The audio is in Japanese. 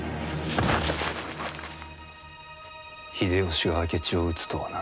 秀吉が明智を討つとはな。